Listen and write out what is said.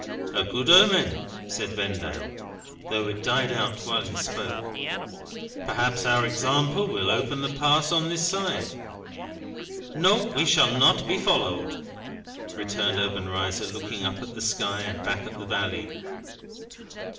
"A good omen!" said Vendale (though it died out while he spoke). "Perhaps our example will open the Pass on this side." "No; we shall not be followed," returned Obenreizer, looking up at the sky and back at the valley.